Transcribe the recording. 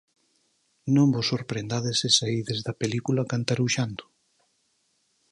Non vos sorprendades se saídes da película cantaruxando.